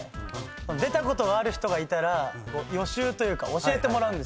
出たことがある人がいたら予習というか教えてもらう。